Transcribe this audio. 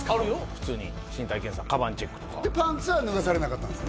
普通に身体検査カバンチェックとかパンツは脱がされなかったんですね？